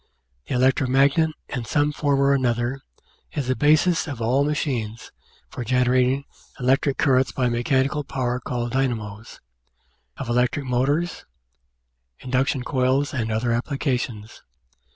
The electro magnet, in some form or another, is the basis of all machines for generating electric currents by mechanical power called dynamos, of electric motors, induction coils, and other appliances.